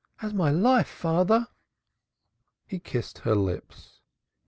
"As my life, father." He kissed her lips.